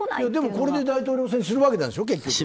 でも、これで大統領選するわけでしょ。